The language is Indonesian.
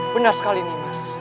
benar sekali nani